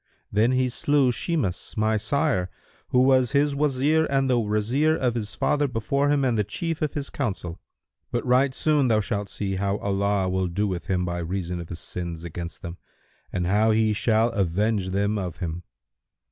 Thus he slew Shimas my sire, who was his Wazir and the Wazir of his father before him and the chief of his council; but right soon thou shalt see how Allah will do with him by reason of his sins against them and how He shall avenge them of him."